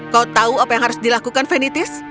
kau tahu apa yang harus dilakukan venitis